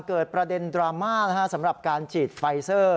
เกิดประเด็นดราม่าสำหรับการฉีดไฟเซอร์